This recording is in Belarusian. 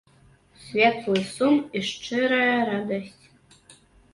Светлы сум і шчырая радасць.